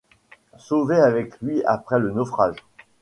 Sauvé avec lui après le naufrage?